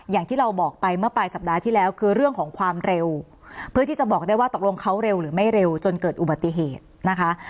อย่างที่เราบอกไปเมื่อปลายสัปดาห์ที่แล้วคือเรื่องของความเร็วเพื่อที่จะบอกได้ว่าตกลงเขาเร็วหรือไม่เร็วจนเกิดอุบัติเหตุนะคะ